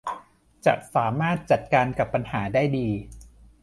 จะสามารถจัดการกับปัญหาได้ดี